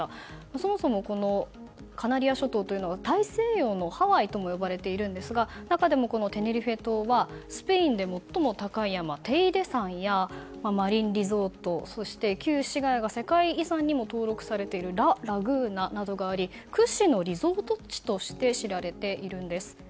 そもそもカナリア諸島というのが大西洋のハワイとも呼ばれているんですが中でもこのテネリフェ島はスペインで最も高い山テイデ山やマリンリゾートそして旧市街が世界遺産にも登録されているラ・ラグーナなど屈指のリゾート地として知られているんです。